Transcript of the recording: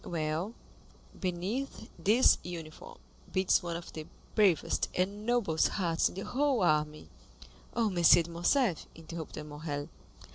"Well, beneath this uniform beats one of the bravest and noblest hearts in the whole army." "Oh, M. de Morcerf," interrupted Morrel.